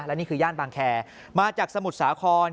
และนี่คือย่านบางแคร์มาจากสมุทรสาคร